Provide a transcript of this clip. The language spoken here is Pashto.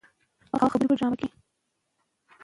ماشوم د ژوند سختیو ته ورو ورو پوهیږي.